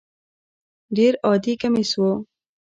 ډېر عادي کمیس و.